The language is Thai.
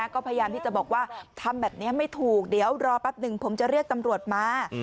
ก็พยายามที่จะบอกว่าทำแบบนี้ไม่ถูกเดี๋ยวรอแป๊บหนึ่งผมจะเรียกตำรวจมา